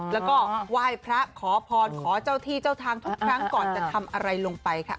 แล้วก็ไหว้พระขอพรขอเจ้าที่เจ้าทางทุกครั้งก่อนจะทำอะไรลงไปค่ะ